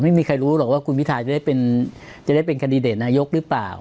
ไม่มีใครรู้หรอกว่าคุณพิทาจะได้เป็นคันดิเดตนายกหรือเปล่า